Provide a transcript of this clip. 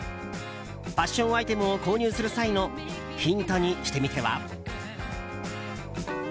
ファッションアイテムを購入する際のヒントにしてみては？